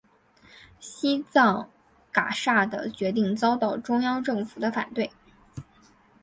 西藏噶厦的决定遭到中央政府的反对。